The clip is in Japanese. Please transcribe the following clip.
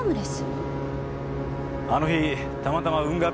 あの日たまたま運河